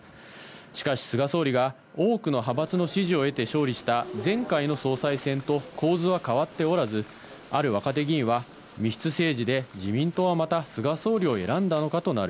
しかし菅総理が多くの派閥の支持を得て勝利した前回の総裁選と構図は変わっておらず、ある若手議員は、自民党はまた、密室政治で菅総理を選んだのかとなる。